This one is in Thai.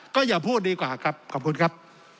ก็อย่าพูดดีกว่าครับขอบคุณครับ